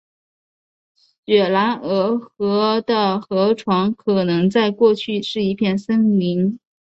雪兰莪河的河床可能在过去是一片竹林。